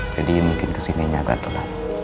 jadi mungkin kesininya agak telat